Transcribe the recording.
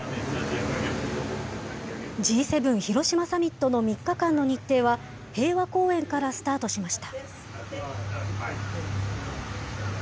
Ｇ７広島サミットの３日間の日程は、平和公園からスタートしました。